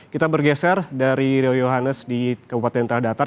kita bergeser dari rio yohannes di kabupaten tanah datar